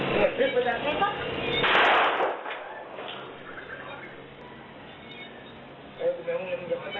ค่ะกูก็ไม่ได้เอามึง